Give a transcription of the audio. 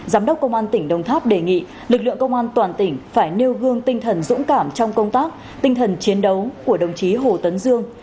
giám đốc công an tỉnh đồng tháp đề nghị lực lượng công an toàn tỉnh phải nêu gương tinh thần dũng cảm trong công tác tinh thần chiến đấu của đồng chí hồ tấn dương